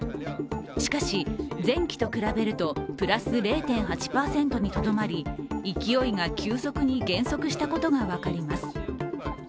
しかし、前期と比べるとプラス０．８％にとどまり勢いが急速に減速したことが分かります。